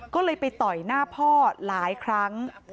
ก็เลยไปต่อยหน้าพ่อหลายครั้ง